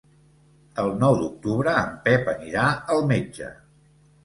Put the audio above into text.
El nou d'octubre en Pep anirà al metge.